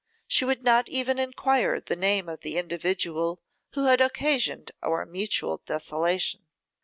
She would not even enquire the name of the individual who had occasioned our mutual desolation.